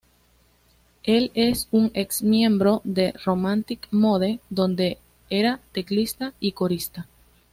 Él es un ex miembro de Romantic Mode donde era teclista y corista.